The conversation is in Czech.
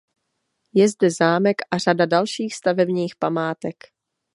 Je zde zámek a řada dalších stavebních památek.